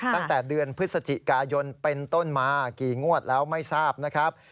ตั้งแต่เดือนพฤศจิกายนเป็นต้นมากี่งวดแล้วไม่ทราบนะครับ